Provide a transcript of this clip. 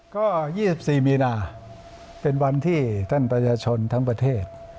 ก็๒๔มีนาเป็นวันที่ท่านประชาชนทั้งประเทศ